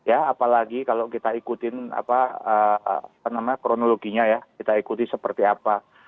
apalagi kalau kita ikuti kronologinya kita ikuti seperti apa